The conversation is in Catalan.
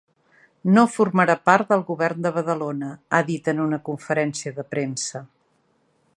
No formarà part del govern de Badalona, ha dit en una conferència de premsa.